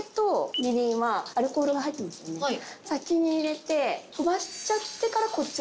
先に入れて飛ばしちゃってからこっちを入れた方がいい。